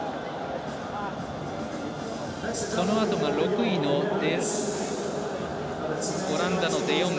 このあとが６位のオランダのデヨング。